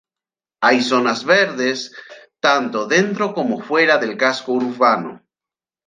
Hay zonas verdes tanto dentro como fuera del casco urbano.